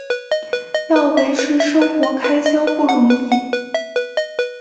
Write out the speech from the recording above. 要维持生活开销不容易